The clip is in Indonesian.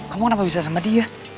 kamu kenapa bisa sama dia